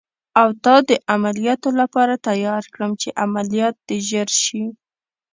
او تا د عملیاتو لپاره تیار کړم، چې عملیات دې ژر شي.